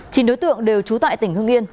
chính đối tượng đều trú tại tỉnh hương yên